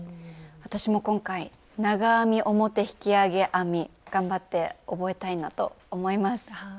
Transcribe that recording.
私も今回長編み表引き上げ編み頑張って覚えたいなと思います。